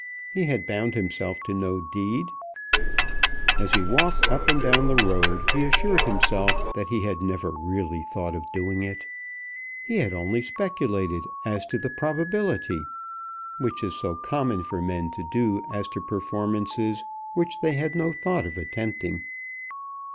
He had bound himself to no deed. As he walked up and down the road he assured himself that he had never really thought of doing it. He had only speculated as to the probability, which is so common for men to do as to performances which they had no thought of attempting.